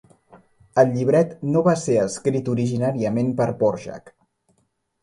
El llibret no va ser escrit originalment per a Dvořák.